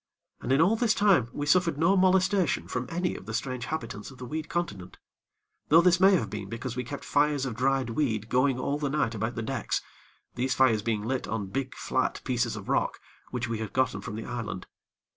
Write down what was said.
And in all this time we suffered no molestation from any of the strange habitants of the weed continent; though this may have been because we kept fires of dried weed going all the night about the decks, these fires being lit on big flat pieces of rock which we had gotten from the island.